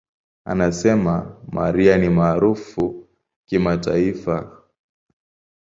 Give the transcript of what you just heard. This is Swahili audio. Anasema, "Mariah ni maarufu kimataifa.